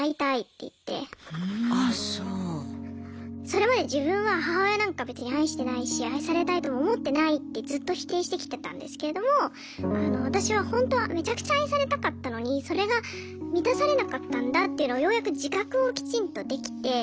それまで自分は母親なんか別に愛してないし愛されたいとも思ってないってずっと否定してきてたんですけれども私はほんとはめちゃくちゃ愛されたかったのにそれが満たされなかったんだっていうのをようやく自覚をきちんとできて。